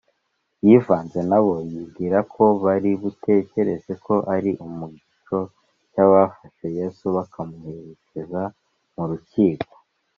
yivanze na bo yibwira ko bari butekereze ko ari mu gico cy’abafashe yesu, bakamuherekeza mu rukiko